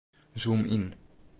Zoom yn.